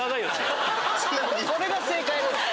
これが正解です